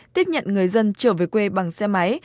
tiếp nhận người dân trở về quê bằng xe máy